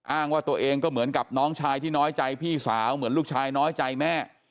อ้างว่าตัวเองก็เหมือนกับน้องชายที่น้อยใจพี่สาวเหมือนลูกชายน้อยใจแม่